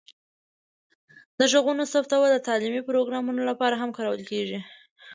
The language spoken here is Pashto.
د غږونو ثبتول د تعلیمي پروګرامونو لپاره هم کارول کیږي.